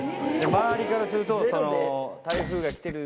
周りからすると。